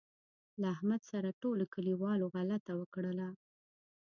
له احمد سره ټولوکلیوالو غلطه وکړله.